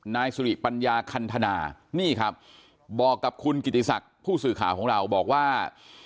นายสุริปัญญาคันธนานี่ครับบอกกับคุณกิติศักดิ์ผู้สื่อข่าวของเราบอกว่า